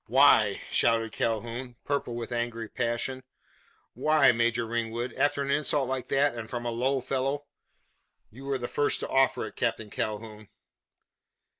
"Why?" shouted Calhoun, purple with angry passion. "Why, Major Ringwood? After an insult like that, and from a low fellow " "You were the first to offer it, Captain Calhoun."